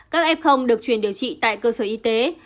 các f được truyền điều trị tại cơ sở y tế